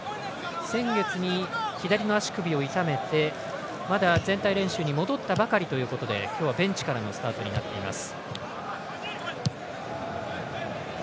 先月に左の足首を痛めてまだ全体練習に戻ったばかりということで今日はベンチからのスタートとなっています。